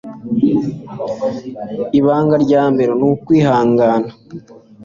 ibanga rya mbere nukwihangana